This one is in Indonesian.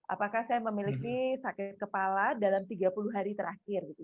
apakah saya memiliki sakit kepala dalam tiga puluh hari terakhir gitu